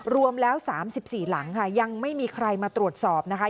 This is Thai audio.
รวมแล้ว๓๔หลังค่ะยังไม่มีใครมาตรวจสอบนะคะ